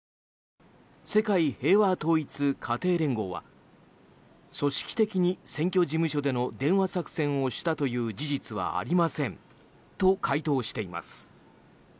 世界平和統一家庭連合は組織的に選挙事務所での電話作戦をしたという事実はありませんと回答しています。